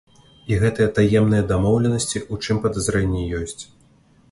І гэтыя таемныя дамоўленасці, у чым падазрэнні ёсць.